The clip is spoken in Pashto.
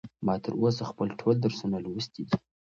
ما تر اوسه خپل ټول درسونه لوستي دي.